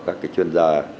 các cái chuyên gia